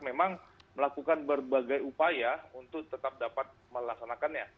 memang melakukan berbagai upaya untuk tetap dapat melaksanakannya